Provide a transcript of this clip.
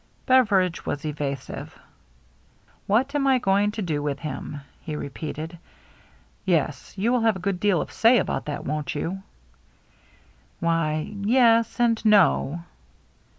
Beveridge was evasive. " What am I going to do with him ?" he repeated. "Yes. You will have a good deal of say about that, won't you?" " Why — yes, and no."